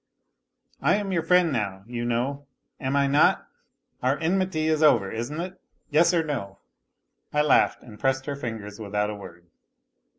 " I am your friend now, you know; am I not ? Our enmity is over, isn't it ? Yes or no ?" I laughed and pressed her fingers without a word.